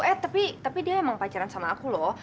eh tapi dia emang pacaran sama aku loh